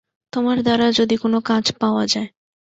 তোমার দ্বারা যদি কোনো কাজ পাওয়া যায়!